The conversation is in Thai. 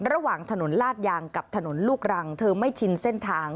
ระหว่างถนนลาดยางกับถนนลูกรังเธอไม่ชินเส้นทาง